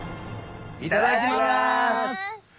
いただきます！